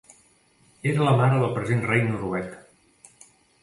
Era la mare del present rei noruec.